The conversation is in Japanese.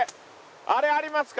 あれありますか？